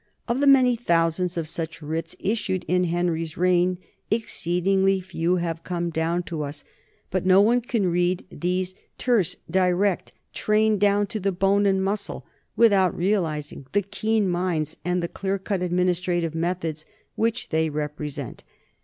Of the many thousands of such writs issued in Henry's reign, exceedingly few have come down to us, but no one can read these, terse, direct, trained down to bone and muscle, without realizing the keen minds and the clear cut administrative methods which they represent.